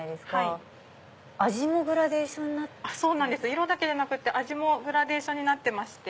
色だけでなくて味もグラデーションになってまして。